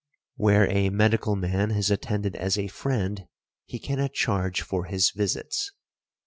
Where a medical man has attended as a friend, he cannot charge for his visits.